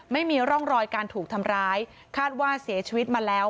ไม่มีร่องรอยการถูกทำร้ายคาดว่าเสียชีวิตมาแล้ว